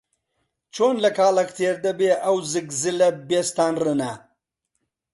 چۆن لە کاڵەک تێر دەبێ ئەو زگ زلە بێستان ڕنە؟